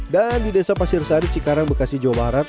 dan di desa pasir sari cikarang bekasi jawa barat